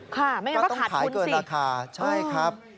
ค้าจริงก็ขายไปเกินราคา